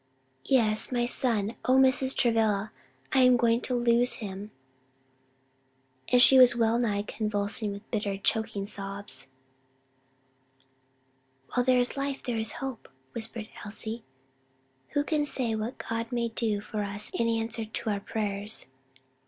"Yes my son. O Mrs. Travilla, I am going to lose him!" and she was well nigh convulsed with bitter, choking sobs. "While there is life there is hope," whispered Elsie, "who can say what God may do for us in answer to our prayers?"